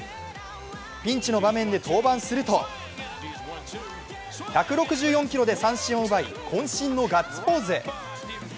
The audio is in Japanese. ピンチの場面で登板すると、１６４キロで三振を奪い、こん身のガッツポーズ。